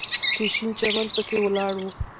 چې شين چمن پکښې ولاړ و.